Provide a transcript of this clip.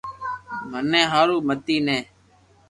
مني ھارون متي ني